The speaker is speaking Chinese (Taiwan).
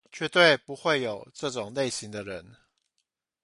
絕對不會有這種類型的人